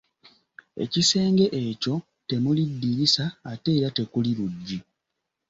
Ekisenge ekyo temuli ddirisa ate era tekuli luggi.